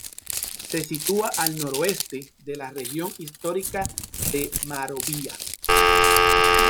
Se sitúa al noroeste de la región histórica de Moravia.